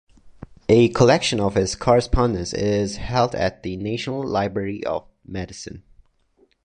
A collection of his correspondence is held at the National Library of Medicine.